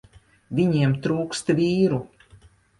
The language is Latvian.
Viņiem trūkst vīru.